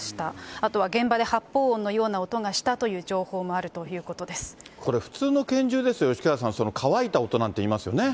あとは現場で発砲音のような音がしたという情報もあるということこれ、普通の拳銃ですと、吉川さん、乾いた音なんていいますよね。